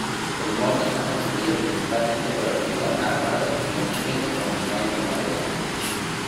El Mall está construido principalmente por hormigón armado y concreto combinado con madera.